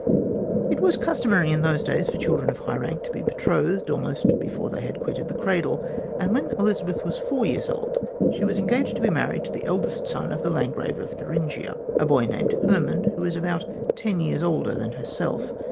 It was customary in those days for children of high rank to be betrothed almost before they had quitted the cradle, and when Elizabeth was four years old she was engaged to be married to the eldest son of the Landgrave of Thuringia a boy named Herman who was about ten years older than herself.